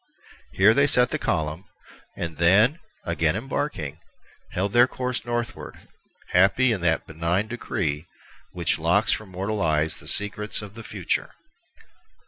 Here they set the column, and then, again embarking, held their course northward, happy in that benign decree which locks from mortal eyes the secrets of the future.